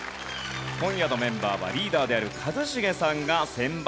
今夜のメンバーはリーダーである一茂さんが選抜。